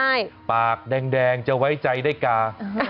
ใช่ปากแดงจะไว้ใจได้กา